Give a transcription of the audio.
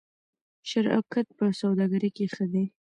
شراکت په سوداګرۍ کې ښه دی.